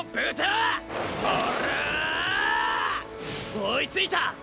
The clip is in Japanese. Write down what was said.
追いついたァ！！